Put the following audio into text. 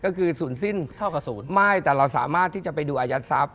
สฐานคือสูญสิ้นไม่แต่เราสามารถที่จะไปดูอายุสรรพย์เท่ากับสูญ